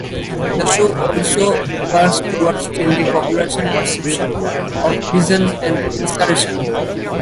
The show also works towards changing popular perception of prisons and incarceration.